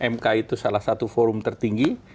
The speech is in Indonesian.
mk itu salah satu forum tertinggi